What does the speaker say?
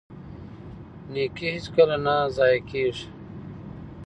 نیکي هیڅکله نه ضایع کیږي.